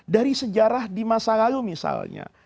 dari sejarah di masa lalu misalnya